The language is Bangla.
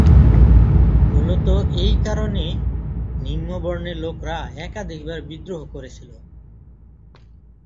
মূলতঃ এই কারণে নিম্ন বর্ণের লোকরা একাধিকবার বিদ্রোহ করেছিল।